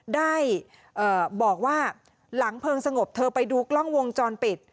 ได้บอกว่าหลังเพลิงสงบเธอไปดูกล้องวงจรปิด